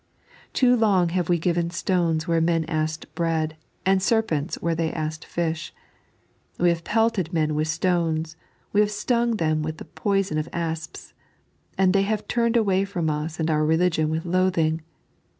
Too loDg have we given stones wh^'e men asked bread, and serpents where they asked fish. We have pelted men with stones, we have stung them with the poison of asps ; and they have turned away ftxim us and our religion with loathing.